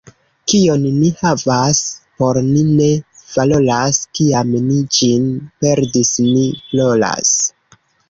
Kion ni havas, por ni ne valoras; kiam ni ĝin perdis, ni ploras.